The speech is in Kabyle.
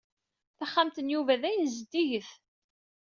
Taxxamt n Yuba dayem zeddiget.